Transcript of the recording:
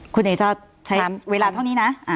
คุณเหนย์จะใช้เวลาเท่านี้นะ